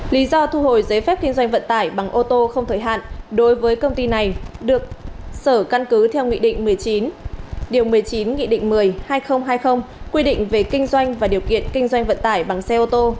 lý do thu hồi giấy phép kinh doanh vận tải bằng ô tô không thời hạn đối với công ty này được sở căn cứ theo nghị định một mươi chín điều một mươi chín nghị định một mươi hai nghìn hai mươi quy định về kinh doanh và điều kiện kinh doanh vận tải bằng xe ô tô